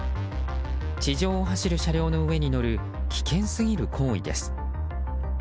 地上を走る車両の上に乗る危険すぎる行為です。